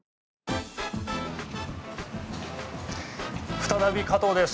再び加藤です。